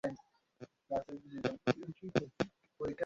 কিছুই চলছে না?